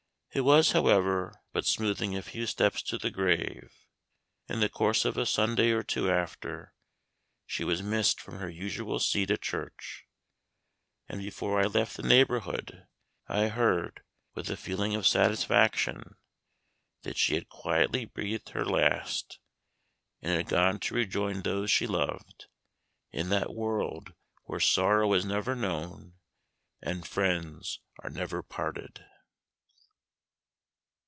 It was, however, but smoothing a few steps to the grave. In the course of a Sunday or two after, she was missed from her usual seat at church, and before I left the neighborhood I heard, with a feeling of satisfaction, that she had quietly breathed her last, and had gone to rejoin those she loved, in that world where sorrow is never known and friends are never parted.